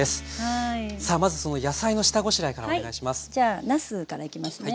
じゃあなすからいきますね。